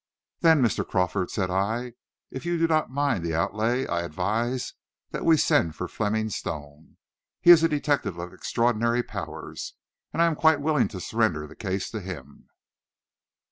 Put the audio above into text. "Then, Mr. Crawford," said I, "if you do not mind the outlay, I advise that we send for Fleming Stone. He is a detective of extraordinary powers, and I am quite willing to surrender the case to him."